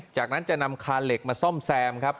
จากนั้นจะนำคานเหล็กมาซ่อมแซมครับ